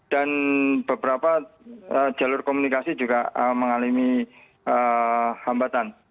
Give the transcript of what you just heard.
dan beberapa jalur komunikasi juga mengalami hambatan